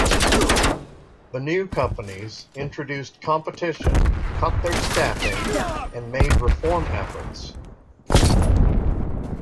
The new companies introduced competition, cut their staffing, and made reform efforts.